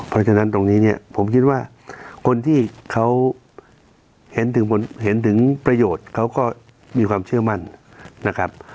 เพราะฉะนั้นตรงนี้เนี่ยผมคิดว่าคนที่เขาเห็นถึงประโยชน์เขาก็มีความเชื่อมั่นนะครับ